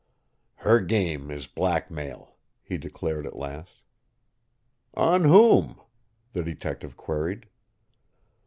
"Her game is blackmail," he declared at last. "On whom?" the detective queried.